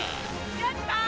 やったー！